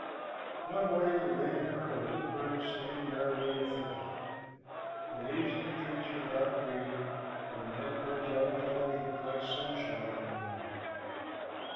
One morning the raven heard a little bird singing merrily in a thicket. The leaves of the trees were dark green, and the little bird's yellow feathers looked like sunshine among them.